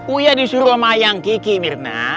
uya disuruh sama ayang kiki mirna